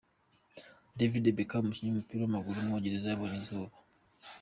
David Beckham, umukinnyi w’umupira w’amaguru w’umwongereza yabonye izuba.